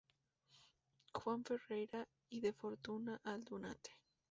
Juan Ferreira y de Fortuna Aldunate.